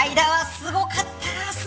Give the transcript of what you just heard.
すごかった。